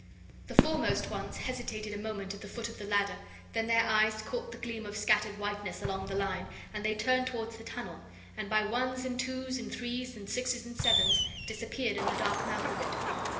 The foremost ones hesitated a moment at the foot of the ladder, then their eyes caught the gleam of scattered whiteness along the line and they turned towards the tunnel, and, by ones and twos and threes and sixes and sevens, disappeared in the dark mouth of it.